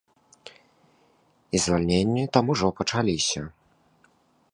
І звальненні там ужо пачаліся.